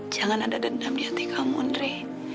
jangan ada dendam di hati kamu nere